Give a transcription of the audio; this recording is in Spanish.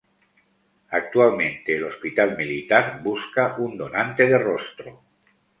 Actualmente, el Hospital Militar busca un donante de rostro.